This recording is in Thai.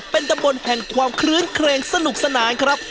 เป็นตำบลแห่งความคลื้นเครงสนุกสนานครับ